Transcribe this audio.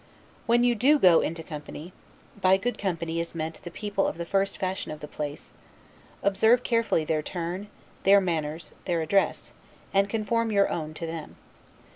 When you go into good company (by good company is meant the people of the first fashion of the place) observe carefully their turn, their manners, their address; and conform your own to them.